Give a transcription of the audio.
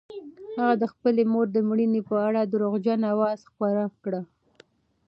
هغه د خپلې مور د مړینې په اړه درواغجنه اوازه خپره کړه.